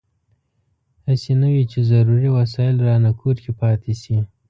هسې نه وي چې ضروري وسایل رانه کور کې پاتې شي.